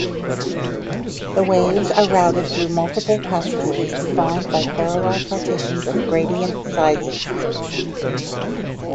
The waves are routed through multiple passageways defined by parallel partitions of gradient sizes.